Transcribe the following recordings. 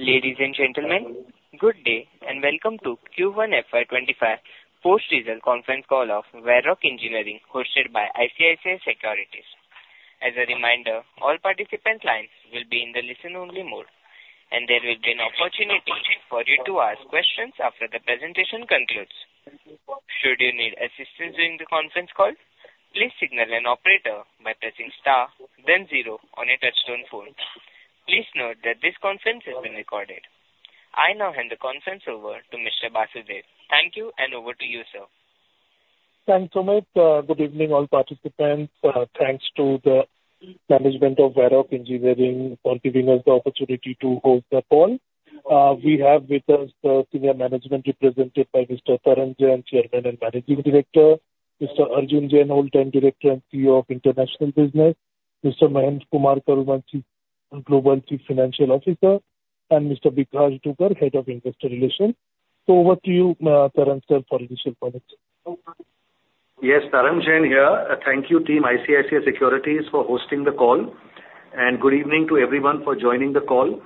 Ladies and gentlemen, good day, and welcome to Q1 FY25 post-result conference call of Varroc Engineering, hosted by ICICI Securities. As a reminder, all participant lines will be in the listen-only mode, and there will be an opportunity for you to ask questions after the presentation concludes. Should you need assistance during the conference call, please signal an operator by pressing star then zero on your touchtone phone. Please note that this conference has been recorded. I now hand the conference over to Mr. Basudeb. Thank you, and over to you, sir. Thanks, Sumit. Good evening, all participants. Thanks to the management of Varroc Engineering for giving us the opportunity to host the call. We have with us the senior management, represented by Mr. Tarang Jain, Chairman and Managing Director, Mr. Arjun Jain, Whole-Time Director and CEO of International Business, Mr. Mahendra Kumar, Group Chief Financial Officer, and Mr. Bikash Dugar, Head of Investor Relations. So over to you, Tarang Jain, for initial comments. Yes, Tarang Jain here. Thank you, team ICICI Securities, for hosting the call, and good evening to everyone for joining the call.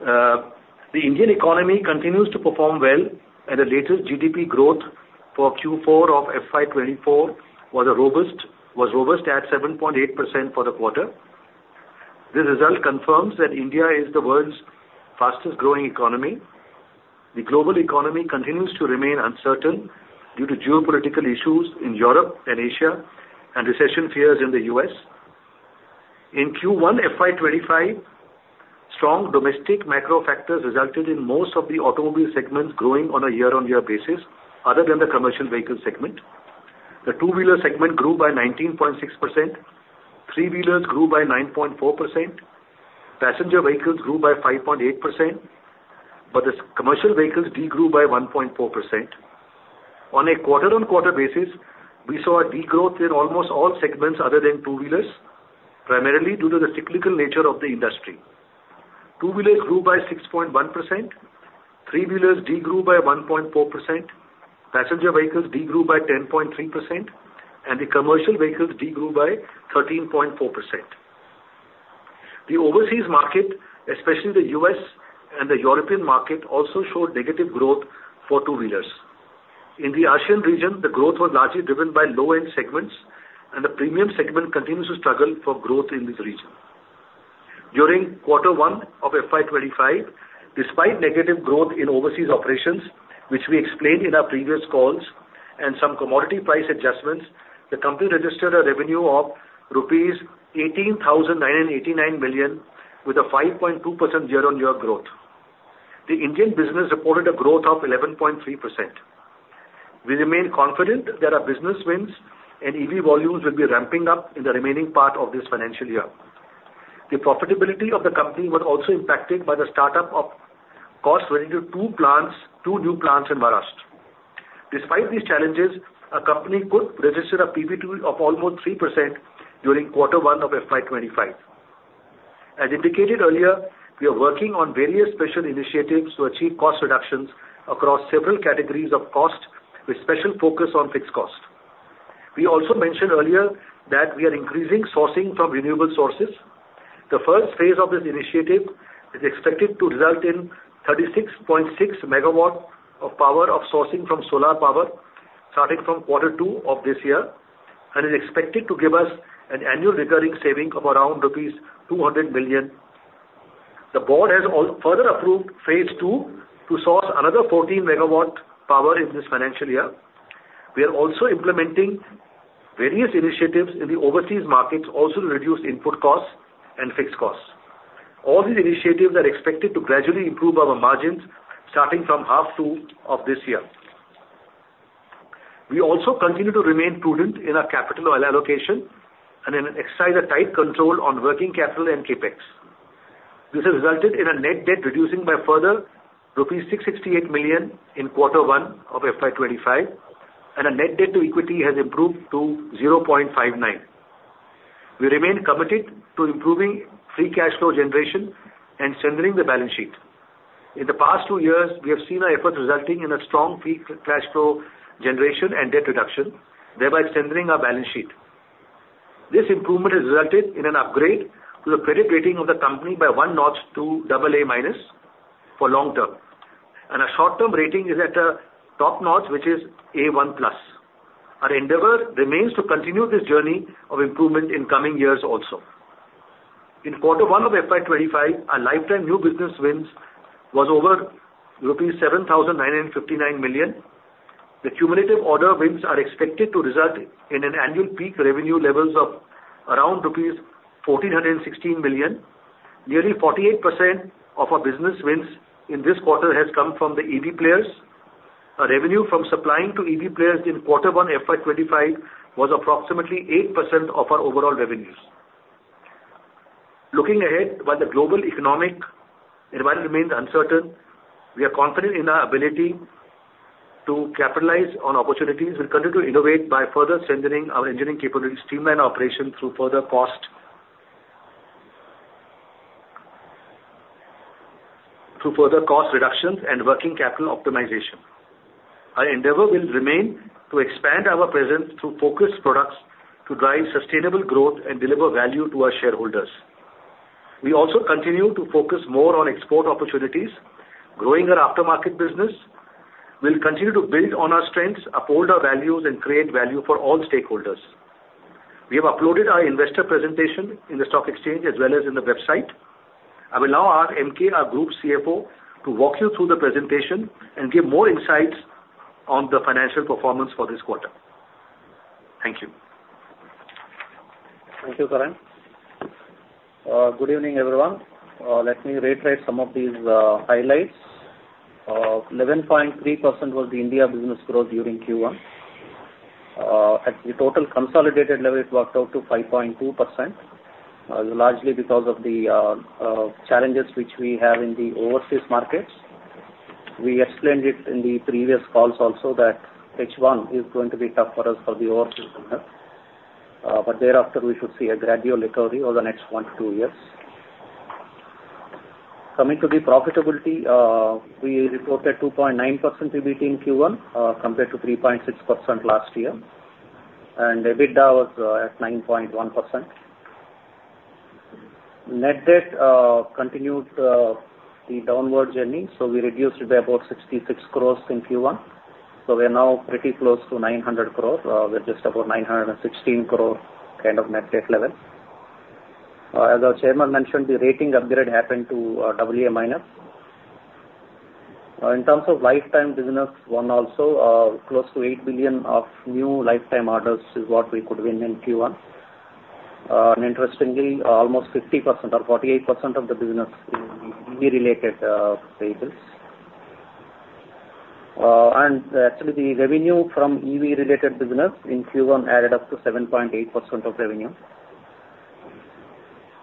The Indian economy continues to perform well, and the latest GDP growth for Q4 of FY 2024 was robust at 7.8% for the quarter. This result confirms that India is the world's fastest growing economy. The global economy continues to remain uncertain due to geopolitical issues in Europe and Asia and recession fears in the US. In Q1 FY 2025, strong domestic macro factors resulted in most of the automobile segments growing on a year-on-year basis, other than the commercial vehicle segment. The two-wheeler segment grew by 19.6%, three-wheelers grew by 9.4%, passenger vehicles grew by 5.8%, but the commercial vehicles degrew by 1.4%. On a quarter-on-quarter basis, we saw a degrowth in almost all segments other than two-wheelers, primarily due to the cyclical nature of the industry. Two-wheelers grew by 6.1%, three-wheelers degrew by 1.4%, passenger vehicles degrew by 10.3%, and the commercial vehicles degrew by 13.4%. The overseas market, especially the US and the European market, also showed negative growth for two-wheelers. In the Asian region, the growth was largely driven by low-end segments, and the premium segment continues to struggle for growth in this region. During quarter 1 of FY 25, despite negative growth in overseas operations, which we explained in our previous calls, and some commodity price adjustments, the company registered a revenue of rupees 18,989 million, with a 5.2% year-on-year growth. The Indian business reported a growth of 11.3%. We remain confident that our business wins and EV volumes will be ramping up in the remaining part of this financial year. The profitability of the company was also impacted by the start-up costs related to two plants, two new plants in Maharashtra. Despite these challenges, our company could register a PBT of almost 3% during quarter one of FY 2025. As indicated earlier, we are working on various special initiatives to achieve cost reductions across several categories of cost, with special focus on fixed cost. We also mentioned earlier that we are increasing sourcing from renewable sources. The first phase of this initiative is expected to result in 36.6 MW of power sourcing from solar power, starting from quarter two of this year, and is expected to give us an annual recurring saving of around rupees 200 million. The board has also further approved phase two to source another 14 MW of power in this financial year. We are also implementing various initiatives in the overseas markets also to reduce input costs and fixed costs. All these initiatives are expected to gradually improve our margins starting from half two of this year. We also continue to remain prudent in our capital allocation and then exercise a tight control on working capital and CapEx. This has resulted in a net debt reducing by further rupees 668 million in quarter 1 of FY 25, and our net debt to equity has improved to 0.59. We remain committed to improving free cash flow generation and strengthening the balance sheet. In the past 2 years, we have seen our efforts resulting in a strong free cash flow generation and debt reduction, thereby strengthening our balance sheet. This improvement has resulted in an upgrade to the credit rating of the company by 1 notch to double A-minus for long term, and our short-term rating is at the top notch, which is A1+. Our endeavor remains to continue this journey of improvement in coming years also. In quarter 1 of FY 25, our lifetime new business wins was over rupees 7,959 million. The cumulative order wins are expected to result in annual peak revenue levels of around rupees 1,416 million. Nearly 48% of our business wins in this quarter has come from the EV players. Our revenue from supplying to EV players in quarter one, FY 2025, was approximately 8% of our overall revenues. Looking ahead, while the global economic environment remains uncertain, we are confident in our ability to capitalize on opportunities. We'll continue to innovate by further strengthening our engineering capabilities, streamline operations through further cost reductions and working capital optimization. Our endeavor will remain to expand our presence through focused products to drive sustainable growth and deliver value to our shareholders. We also continue to focus more on export opportunities, growing our aftermarket business. We'll continue to build on our strengths, uphold our values, and create value for all stakeholders. We have uploaded our investor presentation in the stock exchange as well as in the website. I will now ask MK, our Group CFO, to walk you through the presentation and give more insights on the financial performance for this quarter. Thank you. Thank you, Tarang. Good evening, everyone. Let me reiterate some of these highlights. 11.3% was the India business growth during Q1. At the total consolidated level, it worked out to 5.2%, largely because of the challenges which we have in the overseas markets. We explained it in the previous calls also that H1 is going to be tough for us for the overseas market, but thereafter, we should see a gradual recovery over the next one to two years. Coming to the profitability, we reported 2.9% PBT in Q1, compared to 3.6% last year, and EBITDA was at 9.1%. Net debt continued the downward journey, so we reduced it by about 66 crores in Q1. So we are now pretty close to 900 crore, with just about 916 crore kind of net debt level. As our chairman mentioned, the rating upgrade happened to AA-. In terms of lifetime business won also, close to 8 billion of new lifetime orders is what we could win in Q1. And interestingly, almost 50% or 48% of the business is EV related vehicles. And actually, the revenue from EV related business in Q1 added up to 7.8% of revenue.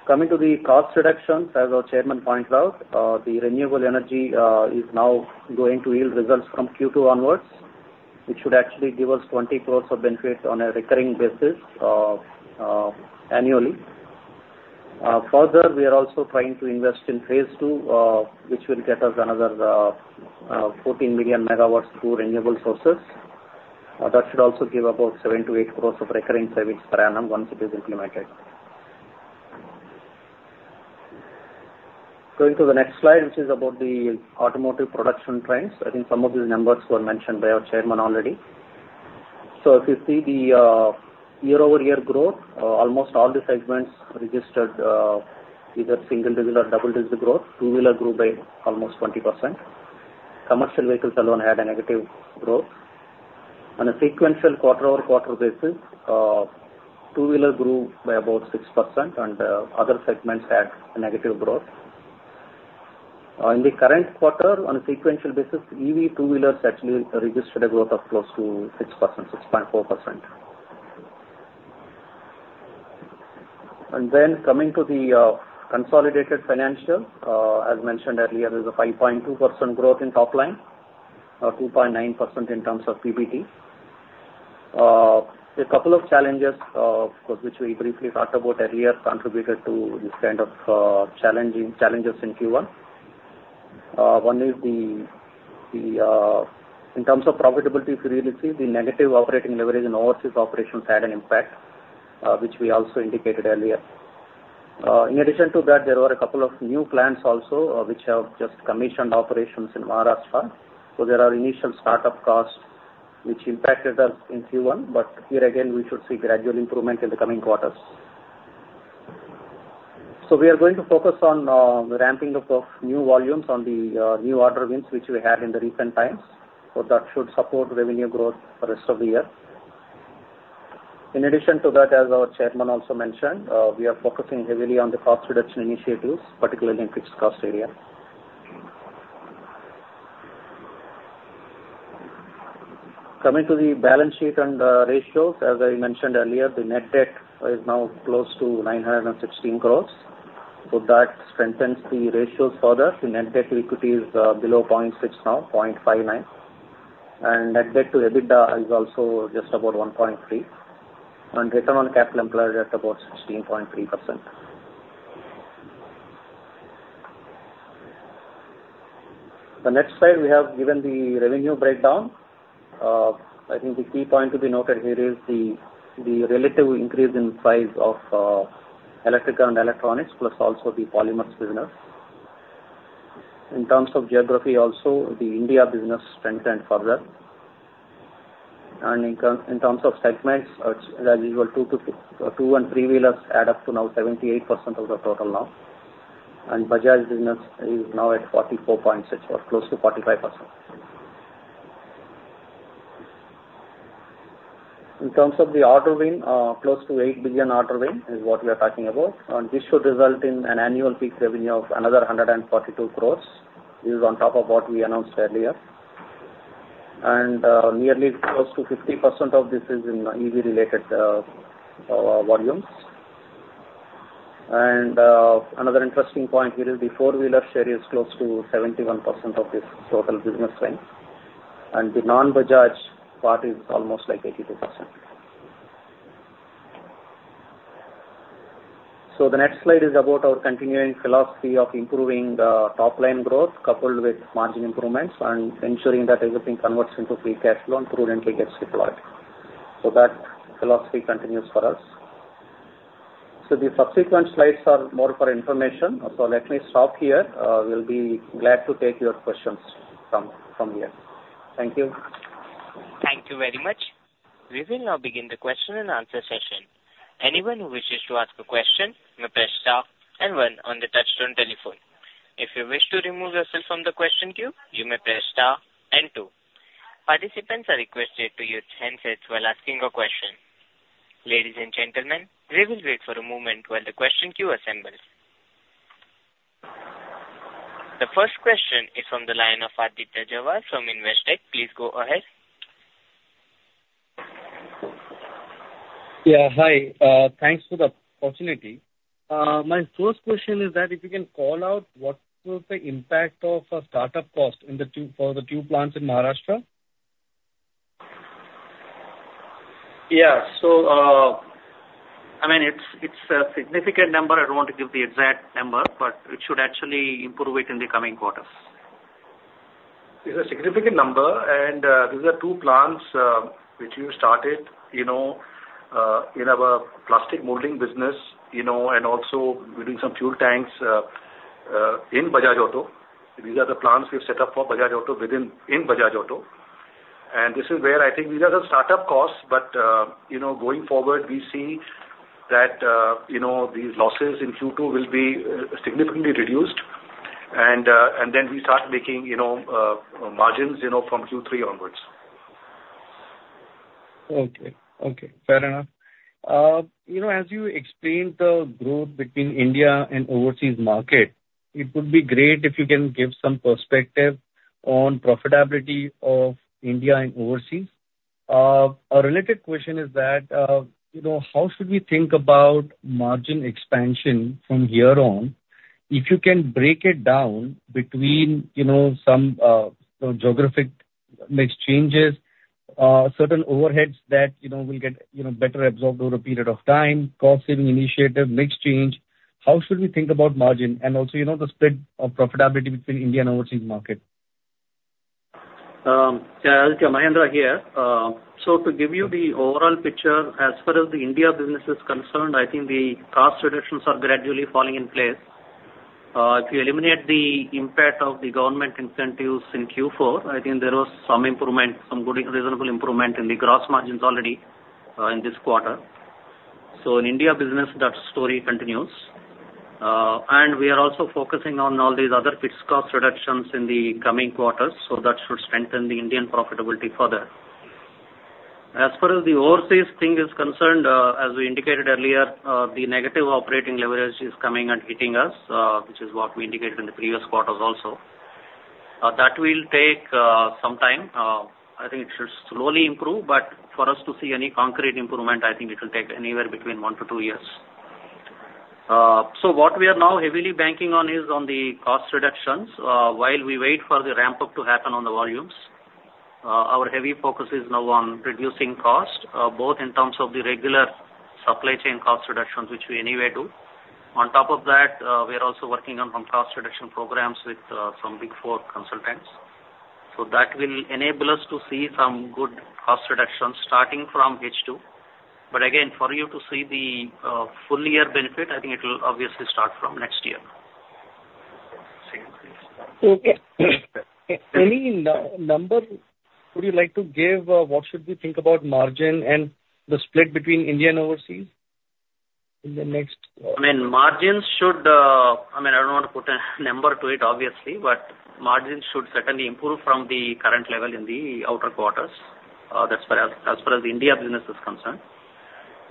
Coming to the cost reductions, as our chairman pointed out, the renewable energy is now going to yield results from Q2 onwards, which should actually give us 20 crore of benefit on a recurring basis, annually. Further, we are also trying to invest in phase two, which will get us another 14 million MW through renewable sources. That should also give about 7-8 crores of recurring savings per annum once it is implemented. Going to the next slide, which is about the automotive production trends. I think some of these numbers were mentioned by our chairman already. So if you see the year-over-year growth, almost all the segments registered either single digit or double digit growth. Two-Wheeler grew by almost 20%. Commercial Vehicles alone had a negative growth. On a sequential quarter-over-quarter basis, Two-Wheeler grew by about 6%, and other segments had a negative growth. In the current quarter, on a sequential basis, EV Two-Wheelers actually registered a growth of close to 6%, 6.4%. Coming to the consolidated financials, as mentioned earlier, there's a 5.2% growth in top line, 2.9% in terms of PBT. A couple of challenges, of course, which we briefly talked about earlier, contributed to this kind of challenges in Q1. One is the in terms of profitability, if you really see, the negative operating leverage in overseas operations had an impact, which we also indicated earlier. In addition to that, there were a couple of new plants also, which have just commissioned operations in Maharashtra, so there are initial startup costs which impacted us in Q1, but here again, we should see gradual improvement in the coming quarters. So we are going to focus on the ramping up of new volumes on the new order wins, which we had in the recent times. So that should support revenue growth for the rest of the year. In addition to that, as our chairman also mentioned, we are focusing heavily on the cost reduction initiatives, particularly in fixed cost area. Coming to the balance sheet and ratios, as I mentioned earlier, the Net Debt is now close to 916 crores. So that strengthens the ratios further. The Net Debt to equity is below 0.6, now 0.59. And Net Debt to EBITDA is also just about 1.3, and Return on Capital Employed is at about 16.3%. The next slide, we have given the revenue breakdown. I think the key point to be noted here is the relative increase in size of electrical and electronics, plus also the polymers business. In terms of geography also, the India business strengthened further. And in terms of segments, as usual, two- and three-wheelers add up to now 78% of the total now, and Bajaj business is now at 44.6% or close to 45%. In terms of the order win, close to 8 billion order win is what we are talking about, and this should result in an annual peak revenue of another 142 crore. This is on top of what we announced earlier. And nearly close to 50% of this is in EV-related volumes. Another interesting point here is the four-wheeler share is close to 71% of this total business range, and the non-Bajaj part is almost like 82%. The next slide is about our continuing philosophy of improving the top line growth, coupled with margin improvements and ensuring that everything converts into free cash flow and prudently gets deployed. That philosophy continues for us. The subsequent slides are more for information. Let me stop here. We'll be glad to take your questions from here. Thank you. Thank you very much. We will now begin the question and answer session. Anyone who wishes to ask a question, may press star and one on the touchtone telephone. If you wish to remove yourself from the question queue, you may press star and two. Participants are requested to use handsets while asking a question. Ladies and gentlemen, we will wait for a moment while the question queue assembles. The first question is from the line of Aditya Jhawar from Investec. Please go ahead. Yeah, hi. Thanks for the opportunity. My first question is that if you can call out what was the impact of a start-up cost in the two, for the two plants in Maharashtra? Yeah. So, I mean, it's, it's a significant number. I don't want to give the exact number, but it should actually improve it in the coming quarters. It's a significant number, and these are two plants which we started, you know, in our plastic molding business, you know, and also we're doing some fuel tanks in Bajaj Auto. These are the plants we've set up for Bajaj Auto within, in Bajaj Auto. And this is where I think these are the start-up costs, but, you know, going forward, we see that these losses in Q2 will be significantly reduced and, and then we start making, you know, margins, you know, from Q3 onwards. Okay. Okay, fair enough. You know, as you explained the growth between India and overseas market, it would be great if you can give some perspective on profitability of India and overseas. A related question is that, you know, how should we think about margin expansion from here on? If you can break it down between, you know, some geographic mix changes, certain overheads that, you know, will get, you know, better absorbed over a period of time, cost saving initiative, mix change. How should we think about margin? And also, you know, the split of profitability between India and overseas market. Yeah, Mahendra here. So to give you the overall picture, as far as the India business is concerned, I think the cost reductions are gradually falling in place. If you eliminate the impact of the government incentives in Q4, I think there was some improvement, some good, reasonable improvement in the gross margins already, in this quarter. So in India business, that story continues. And we are also focusing on all these other fixed cost reductions in the coming quarters, so that should strengthen the Indian profitability further. As far as the overseas thing is concerned, as we indicated earlier, the negative operating leverage is coming and hitting us, which is what we indicated in the previous quarters also. That will take, some time. I think it should slowly improve, but for us to see any concrete improvement, I think it will take anywhere between 1 to 2 years. So what we are now heavily banking on is on the cost reductions, while we wait for the ramp-up to happen on the volumes. Our heavy focus is now on reducing cost, both in terms of the regular supply chain cost reductions, which we anyway do. On top of that, we are also working on some cost reduction programs with some Big Four consultants. So that will enable us to see some good cost reductions starting from H2. But again, for you to see the full year benefit, I think it will obviously start from next year. Okay. Any number would you like to give? What should we think about margin and the split between India and overseas in the next- I mean, margins should, I mean, I don't want to put a number to it, obviously, but margins should certainly improve from the current level in the outer quarters, that's as far as, as far as the India business is concerned.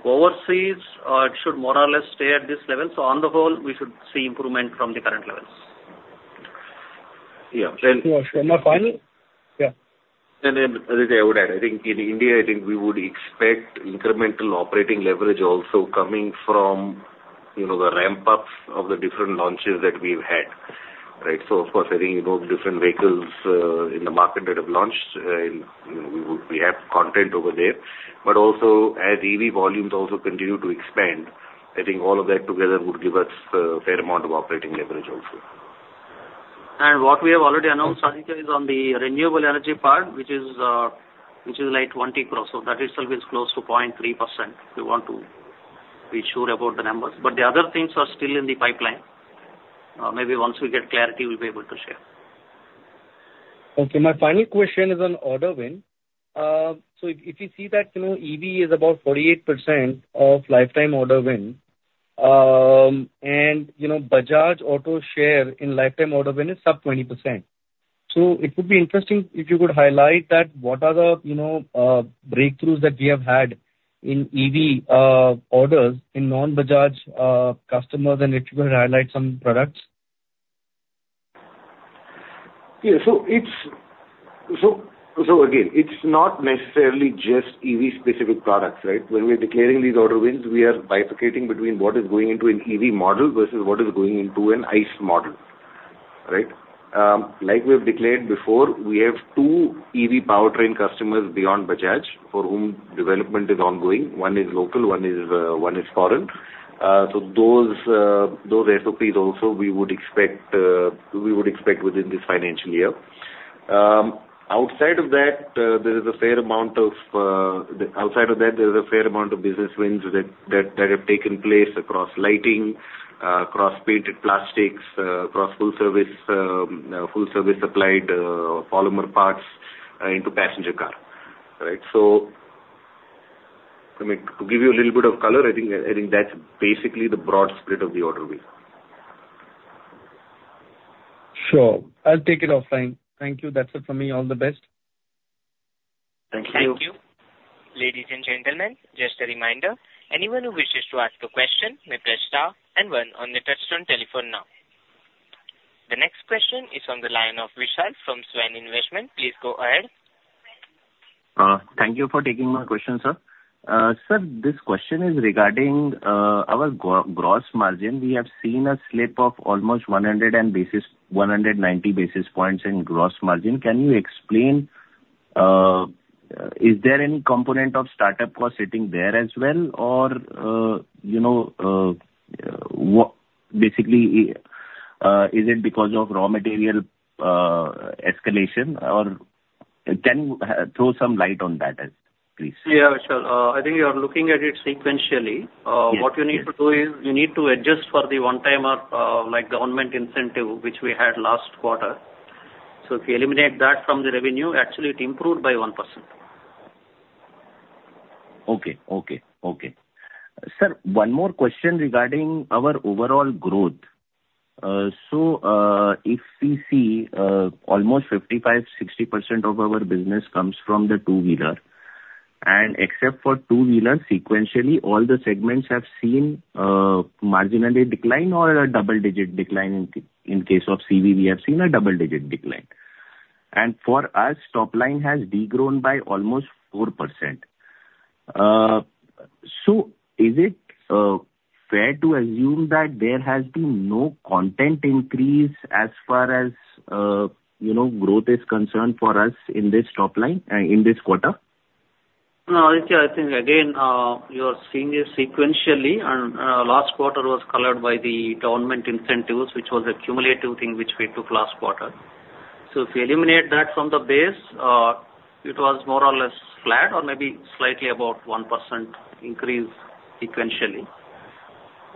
Overseas, it should more or less stay at this level. So on the whole, we should see improvement from the current levels. Yeah. Sure, sure. My final... Yeah. And then, Aditya, I would add, I think in India, I think we would expect incremental operating leverage also coming from, you know, the ramp-ups of the different launches that we've had, right? So of course, I think, you know, different vehicles in the market that have launched, you know, we have content over there. But also, as EV volumes also continue to expand, I think all of that together would give us a fair amount of operating leverage also. What we have already announced, Aditya, is on the renewable energy part, which is like 20 crore, so that itself is close to 0.3%, if you want to be sure about the numbers. But the other things are still in the pipeline. Maybe once we get clarity, we'll be able to share. Okay. My final question is on order win. So if, if you see that, you know, EV is about 48% of lifetime order win, and, you know, Bajaj Auto share in lifetime order win is sub 20%. So it would be interesting if you could highlight that what are the, you know, breakthroughs that we have had in EV, orders in non-Bajaj, customers, and if you could highlight some products? Yeah. So again, it's not necessarily just EV specific products, right? When we are declaring these order wins, we are bifurcating between what is going into an EV model versus what is going into an ICE model. Right. Like we've declared before, we have two EV powertrain customers beyond Bajaj, for whom development is ongoing. One is local, one is foreign. So those SOPs also, we would expect within this financial year. Outside of that, there is a fair amount of business wins that have taken place across lighting, across painted plastics, across full service supplied polymer parts into passenger car, right? I mean, to give you a little bit of color, I think, I think that's basically the broad split of the order book. Sure. I'll take it offline. Thank you. That's it for me. All the best. Thank you. Thank you. Ladies and gentlemen, just a reminder, anyone who wishes to ask a question, may press star and one on the touchtone telephone now. The next question is on the line of Vishal from Swan Investment. Please go ahead. Thank you for taking my question, sir. Sir, this question is regarding our gross margin. We have seen a slip of almost 190 basis points in gross margin. Can you explain, is there any component of startup cost sitting there as well, or, you know, what—basically, is it because of raw material escalation, or can you throw some light on that, please? Yeah, sure. I think you are looking at it sequentially. Yes. What you need to do is, you need to adjust for the one-timer, like government incentive, which we had last quarter. So if you eliminate that from the revenue, actually it improved by 1%. Okay, okay, okay. Sir, one more question regarding our overall growth. So, if we see, almost 55%-60% of our business comes from the two-wheeler, and except for two-wheeler, sequentially, all the segments have seen marginal decline or a double-digit decline. In case of CV, we have seen a double-digit decline. And for us, top line has de-grown by almost 4%. So is it fair to assume that there has been no content increase as far as, you know, growth is concerned for us in this top line, in this quarter? No, I think, I think, again, you are seeing it sequentially and, last quarter was colored by the government incentives, which was a cumulative thing, which we took last quarter. So if you eliminate that from the base, it was more or less flat or maybe slightly about 1% increase sequentially.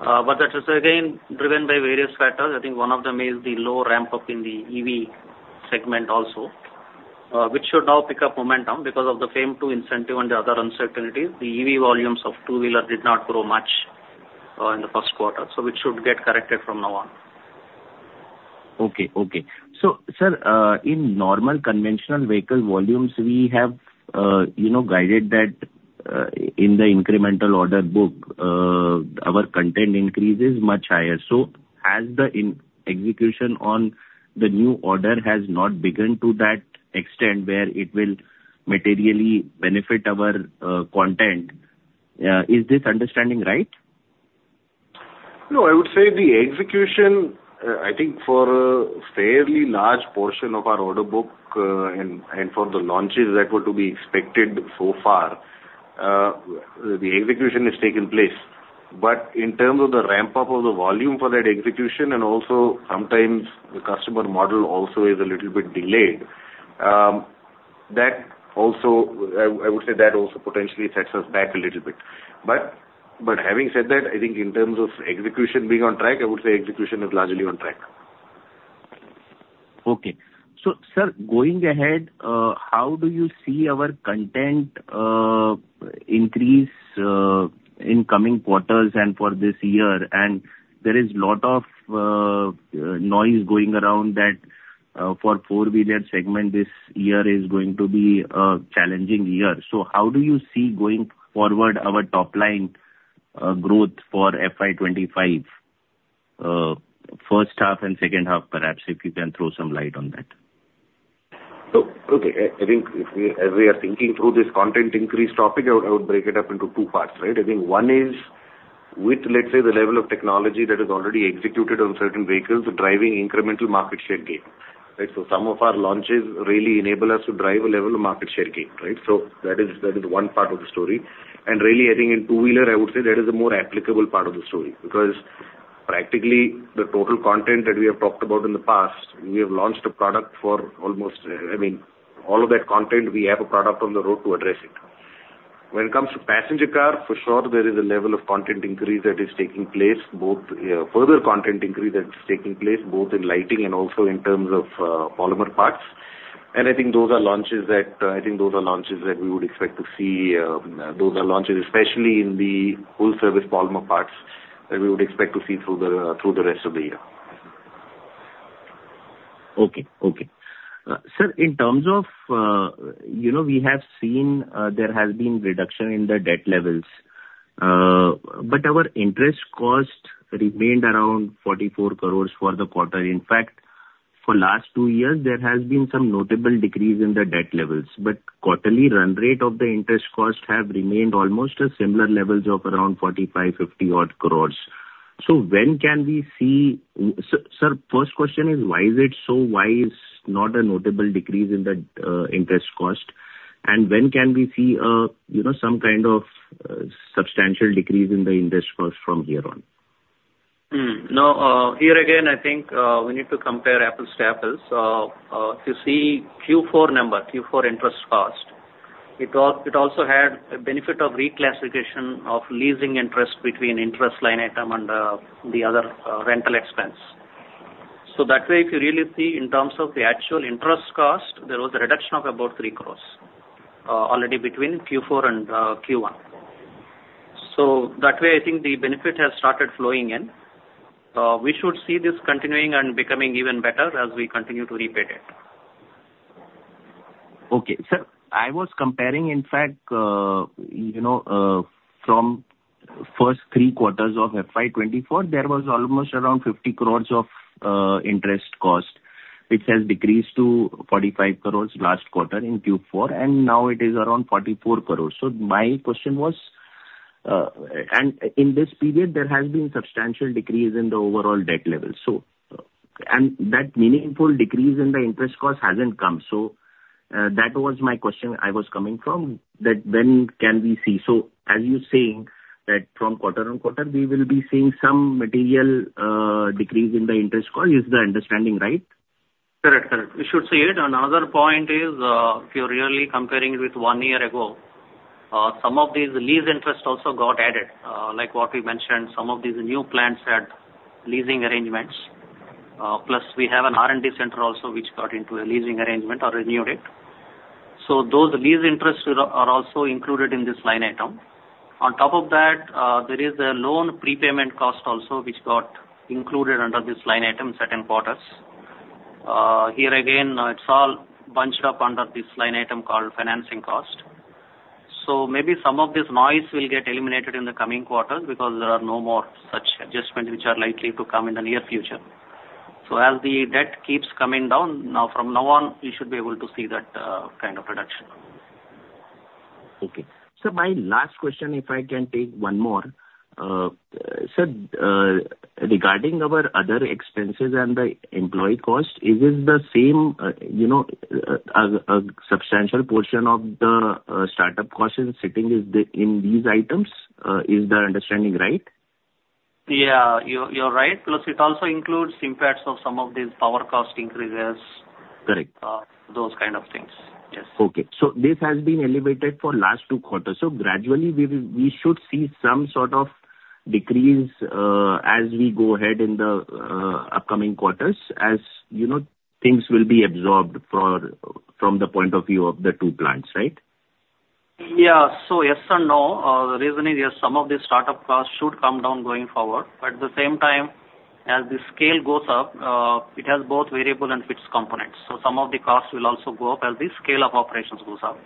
But that is again, driven by various factors. I think one of them is the low ramp-up in the EV segment also, which should now pick up momentum because of the same two incentive and the other uncertainties. The EV volumes of two-wheeler did not grow much, in the first quarter, so which should get corrected from now on. Okay, okay. So, sir, in normal conventional vehicle volumes, we have, you know, guided that, in the incremental order book, our content increase is much higher. So, has the execution on the new order not begun to that extent where it will materially benefit our content? Is this understanding right? No, I would say the execution, I think for a fairly large portion of our order book, and for the launches that were to be expected so far, the execution has taken place. But in terms of the ramp-up of the volume for that execution, and also sometimes the customer model also is a little bit delayed, that also, I would say that also potentially sets us back a little bit. But having said that, I think in terms of execution being on track, I would say execution is largely on track. Okay. So, sir, going ahead, how do you see our content increase in coming quarters and for this year? And there is lot of noise going around that for four-wheeler segment, this year is going to be a challenging year. So how do you see going forward our top line growth for FY 25 first half and second half, perhaps, if you can throw some light on that? So, okay, I think if we, as we are thinking through this content increase topic, I would break it up into two parts, right? I think one is with, let's say, the level of technology that is already executed on certain vehicles, driving incremental market share gain, right? So some of our launches really enable us to drive a level of market share gain, right? So that is one part of the story. And really, I think in two-wheeler, I would say that is a more applicable part of the story, because practically, the total content that we have talked about in the past, we have launched a product for almost, I mean, all of that content, we have a product on the road to address it. When it comes to passenger car, for sure there is a level of content increase that is taking place, both further content increase that is taking place, both in lighting and also in terms of polymer parts. And I think those are launches that I think those are launches that we would expect to see, those are launches, especially in the full service polymer parts, that we would expect to see through the through the rest of the year. Okay, okay. Sir, in terms of, you know, we have seen, there has been reduction in the debt levels, but our interest cost remained around 44 crores for the quarter. In fact, for last two years, there has been some notable decrease in the debt levels, but quarterly run rate of the interest cost have remained almost a similar levels of around 45, 50 odd crores. So when can we see, sir, first question is why is it so? Why is not a notable decrease in the interest cost? And when can we see, you know, some kind of substantial decrease in the interest cost from here on? No, here again, I think we need to compare apples to apples. If you see Q4 number, Q4 interest cost, it also had a benefit of reclassification of leasing interest between interest line item and the other rental expense. So that way, if you really see in terms of the actual interest cost, there was a reduction of about 3 crore already between Q4 and Q1. So that way, I think the benefit has started flowing in. We should see this continuing and becoming even better as we continue to repay debt. Okay. Sir, I was comparing, in fact, you know, from first three quarters of FY 2024, there was almost around 50 crores of interest cost, which has decreased to 45 crores last quarter in Q4, and now it is around 44 crores. So my question was, and in this period, there has been substantial decrease in the overall debt level. So, and that meaningful decrease in the interest cost hasn't come. So, that was my question I was coming from, that when can we see? So as you're saying that from quarter-on-quarter we will be seeing some material decrease in the interest cost, is the understanding right? Correct. Correct. We should see it, and another point is, if you're really comparing it with one year ago, some of these lease interest also got added. Like what we mentioned, some of these new plants had leasing arrangements, plus we have an R&D center also which got into a leasing arrangement or renewed it. So those lease interests are also included in this line item. On top of that, there is a loan prepayment cost also which got included under this line item certain quarters. Here again, it's all bunched up under this line item called financing cost. So maybe some of this noise will get eliminated in the coming quarters because there are no more such adjustments which are likely to come in the near future. As the debt keeps coming down, now, from now on, we should be able to see that kind of reduction. Okay. Sir, my last question, if I can take one more. Sir, regarding our other expenses and the employee cost, is it the same, you know, a substantial portion of the startup costs sitting in these items, is the understanding right? Yeah, you're, you're right. Plus, it also includes impacts of some of these power cost increases. Correct. Those kind of things. Yes. Okay. So this has been elevated for last two quarters. So gradually we will, we should see some sort of decrease, as we go ahead in the upcoming quarters, as, you know, things will be absorbed for, from the point of view of the two plants, right? Yeah. So yes and no. The reason is, yeah, some of the startup costs should come down going forward, but at the same time, as the scale goes up, it has both variable and fixed components. So some of the costs will also go up as the scale of operations goes up.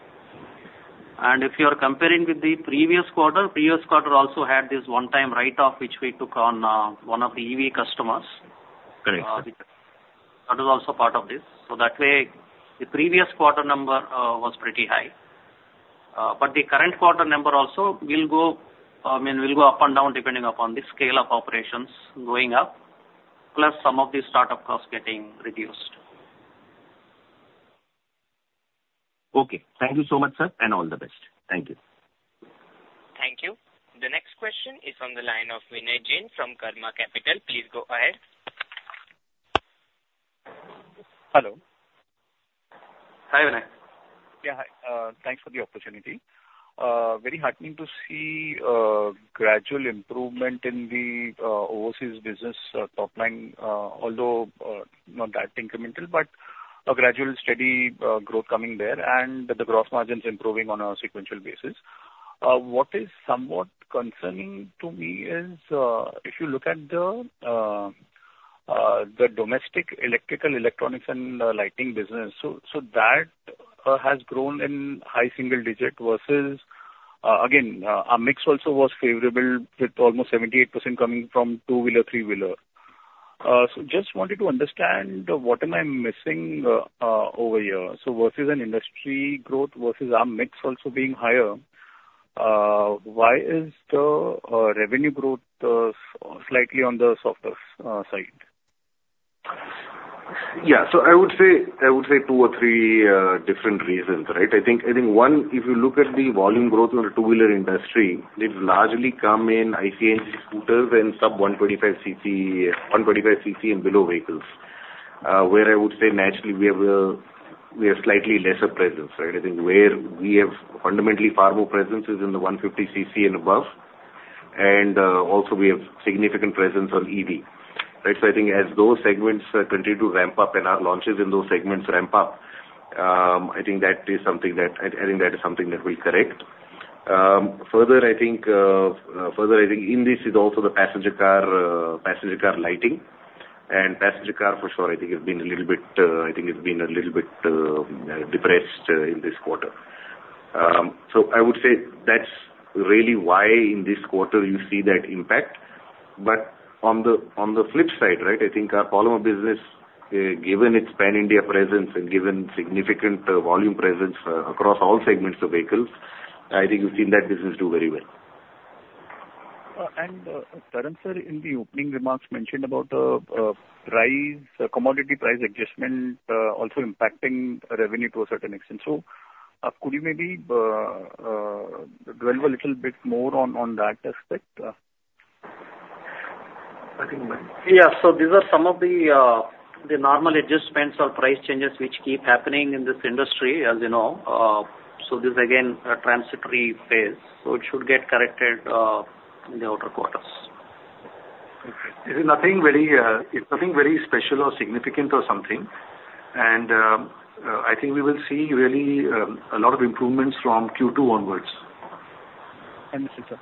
And if you are comparing with the previous quarter, previous quarter also had this one-time write-off, which we took on, one of the EV customers. Correct. That is also part of this. So that way, the previous quarter number was pretty high. But the current quarter number also will go, I mean, will go up and down, depending upon the scale of operations going up, plus some of the startup costs getting reduced. Okay. Thank you so much, sir, and all the best. Thank you. Thank you. The next question is on the line of Vinay Jain from Karma Capital. Please go ahead. Hello. Hi, Vinay. Yeah, hi. Thanks for the opportunity. Very heartening to see gradual improvement in the overseas business top line, although not that incremental, but a gradual, steady growth coming there, and the gross margins improving on a sequential basis. What is somewhat concerning to me is, if you look at the domestic electrical, electronics and lighting business, so that has grown in high single digit versus, again, our mix also was favorable, with almost 78% coming from two-wheeler, three-wheeler. So just wanted to understand, what am I missing over here? So versus an industry growth versus our mix also being higher, why is the revenue growth slightly on the softer side? Yeah. So I would say 2 or 3 different reasons, right? I think one, if you look at the volume growth in the two-wheeler industry, it's largely come in IC engine scooters and sub-125 cc, 125 cc and below vehicles, where I would say naturally we have a, we have slightly lesser presence, right? I think where we have fundamentally far more presence is in the 150 cc and above, and also we have significant presence on EV. Right, so I think as those segments continue to ramp up and our launches in those segments ramp up, I think that is something that we correct. Further, I think in this is also the passenger car, passenger car lighting. And passenger car for sure, I think it's been a little bit depressed in this quarter. So I would say that's really why in this quarter you see that impact. But on the flip side, right, I think our polymer business, given its pan-India presence and given significant volume presence, across all segments of vehicles-... I think you've seen that business do very well. Tarang, sir, in the opening remarks mentioned about price, commodity price adjustment, also impacting revenue to a certain extent. So, could you maybe dwell a little bit more on that aspect? I think, yeah. So these are some of the normal adjustments or price changes which keep happening in this industry, as you know. So this is again, a transitory phase, so it should get corrected in the outer quarters. There is nothing very special or significant or something, and I think we will see really a lot of improvements from Q2 onwards. Understood, sir.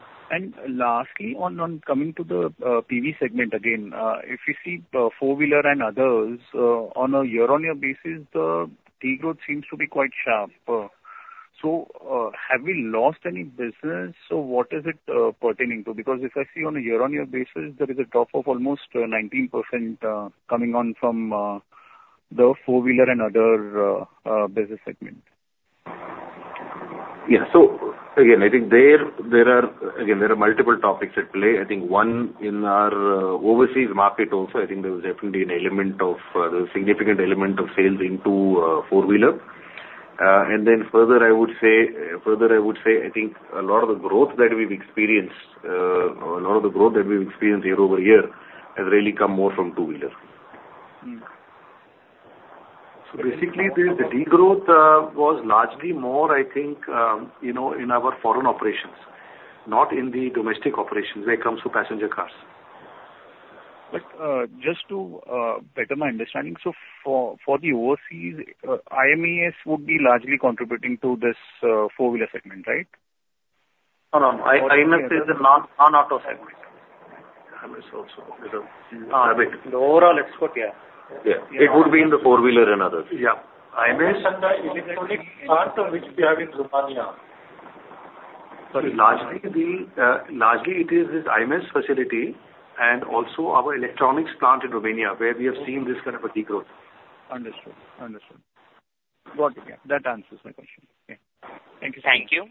Lastly, on coming to the PV segment again, if you see four-wheeler and others, on a year-on-year basis, the degrowth seems to be quite sharp. So, have we lost any business, or what is it pertaining to? Because if I see on a year-on-year basis, there is a drop of almost 19%, coming on from the four-wheeler and other business segment. Yeah. So again, I think there are multiple topics at play. I think one, in our overseas market also, I think there was definitely a significant element of sales into four-wheeler. And then further, I would say, I think a lot of the growth that we've experienced year-over-year has really come more from two-wheeler. Basically, the degrowth was largely more, I think, you know, in our foreign operations, not in the domestic operations when it comes to passenger cars. Just to better my understanding, so for the overseas, IMES would be largely contributing to this four-wheeler segment, right? No, no. IMES is a non-auto segment. IMES also is a- Overall, it's got, yeah. Yeah. It would be in the four-wheeler and others. Yeah. IMES and the electronic part of which we have in Romania. Largely it is this IMES facility and also our electronics plant in Romania, where we have seen this kind of a degrowth. Understood. Understood. Got it. Yeah, that answers my question. Okay. Thank you, sir. Thank you.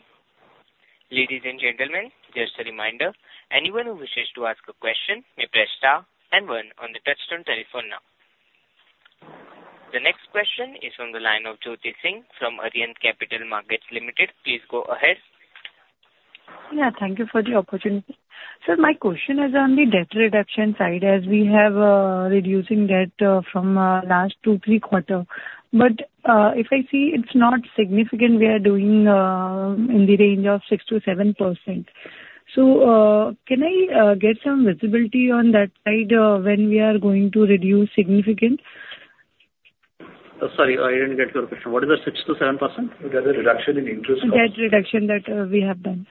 Ladies and gentlemen, just a reminder, anyone who wishes to ask a question may press star and one on the touchtone telephone now. The next question is from the line of Jyoti Singh from Arihant Capital Markets Limited. Please go ahead. Yeah, thank you for the opportunity. Sir, my question is on the debt reduction side, as we have reducing debt from last two, three quarters. But if I see, it's not significant, we are doing in the range of 6%-7%. So can I get some visibility on that side, when we are going to reduce significant? Sorry, I didn't get your question. What is that 6%-7%? That's the reduction in interest cost. Debt reduction that we have done.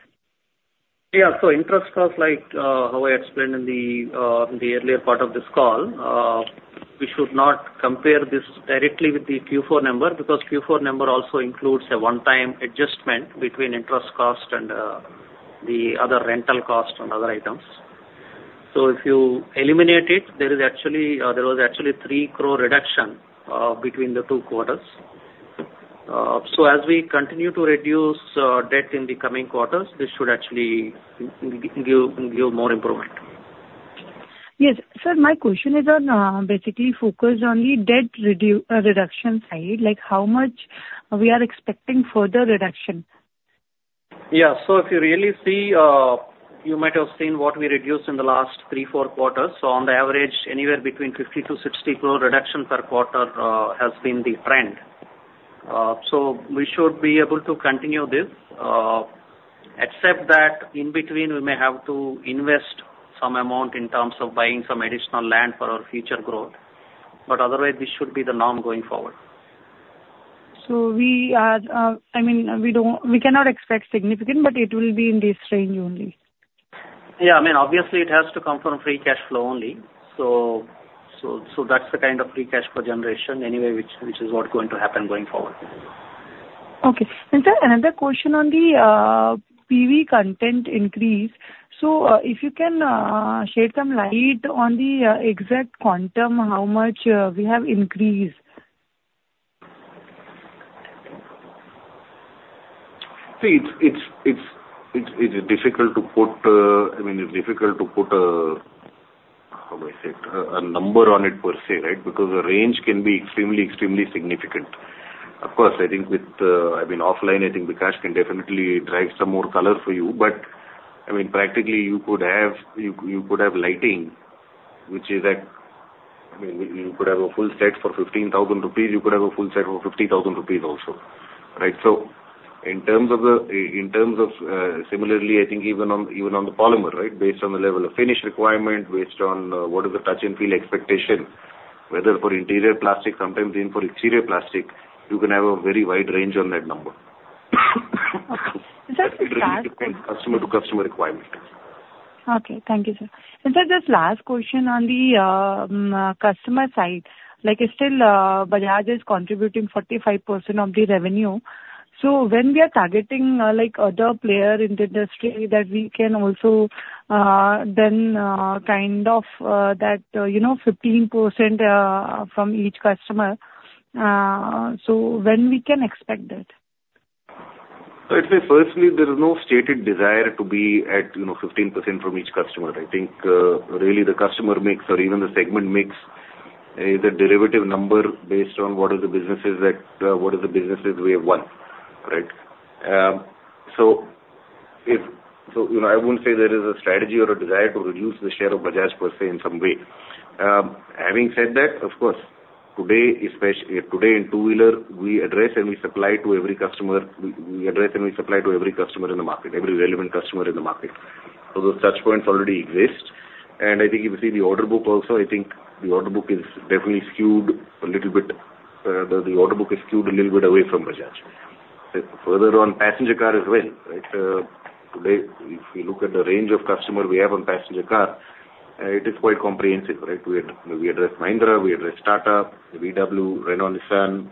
Yeah, so interest cost, like, how I explained in the earlier part of this call, we should not compare this directly with the Q4 number, because Q4 number also includes a one-time adjustment between interest cost and the other rental cost on other items. So if you eliminate it, there actually was a 3 crore reduction between the two quarters. So as we continue to reduce debt in the coming quarters, this should actually give more improvement. Yes. Sir, my question is on, basically focus on the debt reduction side, like how much we are expecting further reduction? Yeah. So if you really see, you might have seen what we reduced in the last 3-4 quarters. So on the average, anywhere between 50 crore-60 crore reduction per quarter has been the trend. So we should be able to continue this, except that in between, we may have to invest some amount in terms of buying some additional land for our future growth. But otherwise, this should be the norm going forward. We are, I mean, we cannot expect significant, but it will be in this range only. Yeah, I mean, obviously, it has to come from free cash flow only. So, that's the kind of free cash flow generation anyway, which is what's going to happen going forward. Okay. Sir, another question on the PV content increase. If you can shed some light on the exact quantum, how much we have increased? See, it's difficult to put, I mean, it's difficult to put, how do I say it? A number on it per se, right? Because the range can be extremely, extremely significant. Of course, I think with, I mean, offline, I think Bikash can definitely drive some more color for you. But I mean, practically, you could have lighting, which is at, I mean, you could have a full set for 15,000 rupees, you could have a full set for 50,000 rupees also, right? So in terms of the similarly, I think even on the polymer, right, based on the level of finish requirement, based on what is the touch and feel expectation, whether for interior plastic, sometimes even for exterior plastic, you can have a very wide range on that number. Sir, just last- Customer to customer requirement. Okay. Thank you, sir. Sir, just last question on the customer side. Like, still, Bajaj is contributing 45% of the revenue. So when we are targeting, like, other player in the industry, that we can also, then, kind of, that, you know, 15% from each customer?... So when can we expect that? I'd say, firstly, there is no stated desire to be at, you know, 15% from each customer. I think, really the customer mix or even the segment mix is a derivative number based on what are the businesses that, what are the businesses we have won, right? So, you know, I wouldn't say there is a strategy or a desire to reduce the share of Bajaj per se in some way. Having said that, of course, today, today in two-wheeler, we address and we supply to every customer, we, we address and we supply to every customer in the market, every relevant customer in the market. So the touch points already exist. And I think if you see the order book also, I think the order book is definitely skewed a little bit, the order book is skewed a little bit away from Bajaj. Further on, passenger car as well, right? Today, if we look at the range of customer we have on passenger car, it is quite comprehensive, right? We address, we address Mahindra, we address Tata, VW, Renault, Nissan,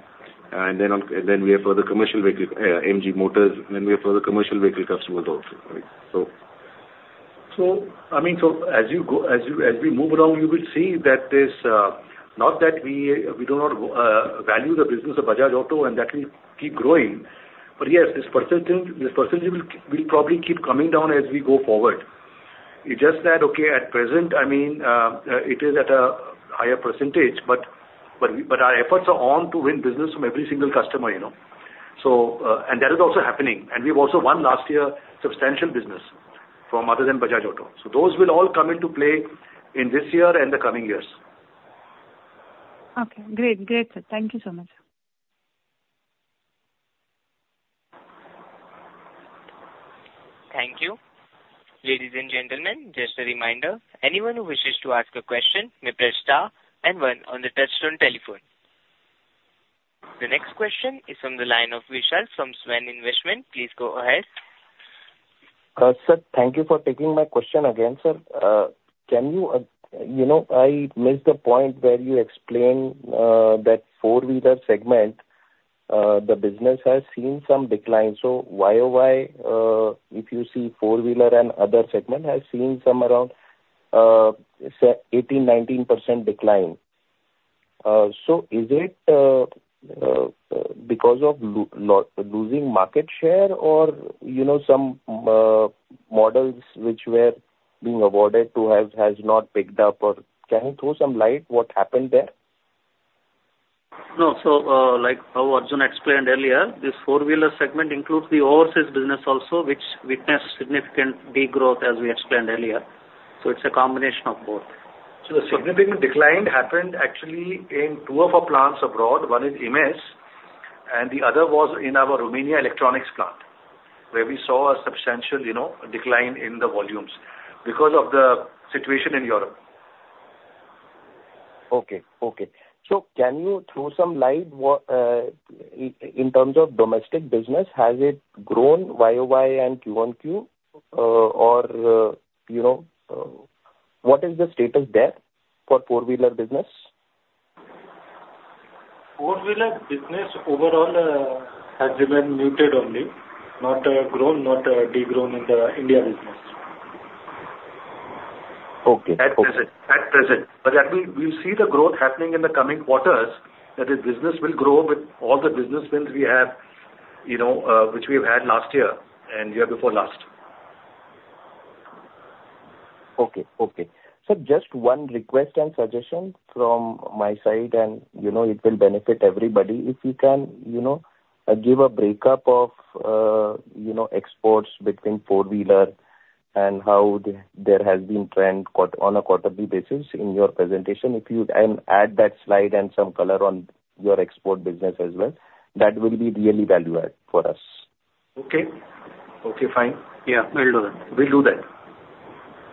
and then on, and then we have further commercial vehicle, MG Motors, then we have further commercial vehicle customers also, right? So. So, I mean, as we move around, you will see that this, not that we do not value the business of Bajaj Auto, and that will keep growing, but yes, this percentage will probably keep coming down as we go forward. It's just that, okay, at present, I mean, it is at a higher percentage, but our efforts are on to win business from every single customer, you know. So, and that is also happening, and we've also won last year substantial business from other than Bajaj Auto. So those will all come into play in this year and the coming years. Okay. Great. Great, sir. Thank you so much. Thank you. Ladies and gentlemen, just a reminder, anyone who wishes to ask a question may press star and one on the touchtone telephone. The next question is from the line of Vishal from Swan Investment. Please go ahead. Sir, thank you for taking my question again, sir. Can you, you know, I missed the point where you explained that four-wheeler segment, the business has seen some decline. So YOY, if you see four-wheeler and other segment, has seen some around, say, 18%-19% decline. So is it because of losing market share or, you know, some models which were being awarded to have, has not picked up? Or can you throw some light what happened there? No. So, like how Arjun explained earlier, this four-wheeler segment includes the overseas business also, which witnessed significant degrowth, as we explained earlier. So it's a combination of both. The significant decline happened actually in two of our plants abroad. One is IMES, and the other was in our Romania electronics plant, where we saw a substantial, you know, decline in the volumes because of the situation in Europe. Okay. Okay. So can you throw some light, what, in terms of domestic business, has it grown YOY and Q1Q, or, you know, what is the status there for four-wheeler business? Four-wheeler business overall has remained muted only. Not grown, not degrown in the India business. Okay. At present, at present. But that will, we'll see the growth happening in the coming quarters, that is, business will grow with all the business wins we have, you know, which we've had last year and year before last. Okay. Okay. So just one request and suggestion from my side, and, you know, it will benefit everybody. If you can, you know, give a breakup of, you know, exports between four-wheeler and how the there has been trend qua on a quarterly basis in your presentation. If you can add that slide and some color on your export business as well, that will be really valuable add for us. Okay. Okay, fine. Yeah, we'll do that. We'll do that.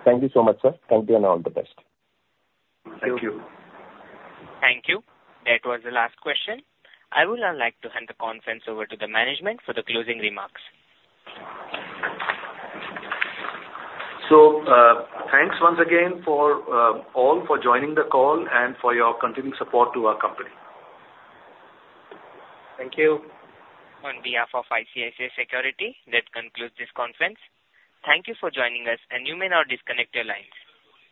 Thank you so much, sir. Thank you, and all the best. Thank you. Thank you. That was the last question. I would now like to hand the conference over to the management for the closing remarks. Thanks once again for all for joining the call and for your continued support to our company. Thank you. On behalf of ICICI Securities, that concludes this conference. Thank you for joining us, and you may now disconnect your lines.